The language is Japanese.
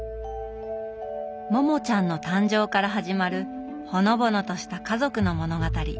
モモちゃんの誕生から始まるほのぼのとした家族の物語。